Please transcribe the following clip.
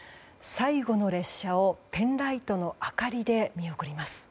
最後の列車をペンライトの明かりで見送ります。